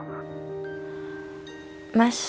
dari semalam hp kamu gak aktif loh